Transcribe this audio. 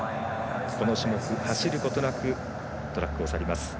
この種目、走ることなくトラックを去ります。